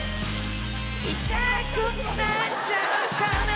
痛くなっちゃうから